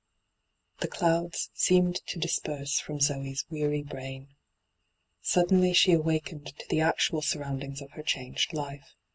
* The clouds seemed to disperse from Zoe's weary brain. Suddenly she awakened to the actual surroundings of her changed life.